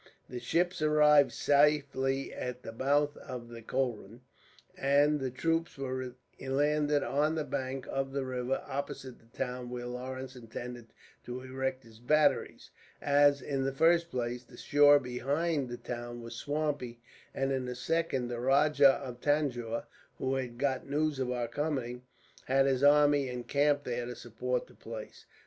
"The ships arrived safely at the mouth of the Kolrun, and the troops were landed on the bank of the river opposite the town, where Lawrence intended to erect his batteries; as, in the first place, the shore behind the town was swampy, and in the second the Rajah of Tanjore, who had got news of our coming, had his army encamped there to support the place.